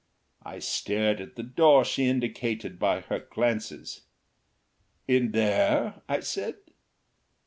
I stared at the door she indicated by her glances. "In there?" I said.